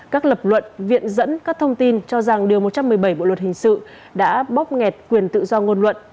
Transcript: các lập luận viện dẫn các thông tin cho rằng điều một trăm một mươi bảy bộ luật hình sự đã bóp nghẹt quyền tự do ngôn luận